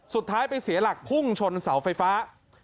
สุดท้ายไปเสียหลักพุ่งชนเสาไฟฟ้า